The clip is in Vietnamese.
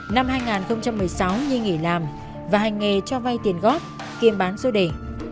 năm hai nghìn một mươi sáu nhi nghỉ làm và hành nghề cho vay tiền góp kiêm bán số đề